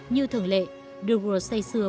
như thường lệ de waal xây xưa